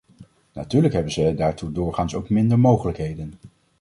Natuurlijk hebben zij daartoe doorgaans ook minder mogelijkheden.